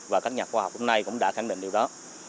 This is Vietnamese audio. và các nhà khoa học hôm nay cũng đã khẳng định điều đó